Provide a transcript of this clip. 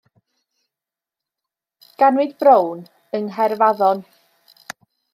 Ganwyd Brown yng Nghaerfaddon.